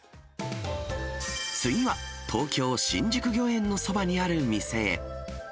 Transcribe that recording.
次は、東京・新宿御苑のそばにある店へ。